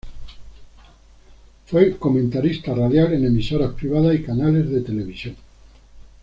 Fue comentarista radial en emisoras privadas y canales de televisión.